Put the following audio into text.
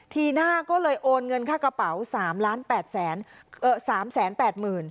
ทีหน้าก็เลยโอนเงินค่ากระเป๋าสามล้านแปดแสนเอ่อสามแสนแปดหมื่น